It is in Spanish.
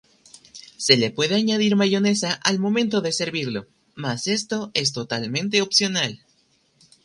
Se le puede añadir mayonesa al momento de servirlo, mas esto es totalmente opcional.